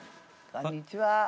こんにちは。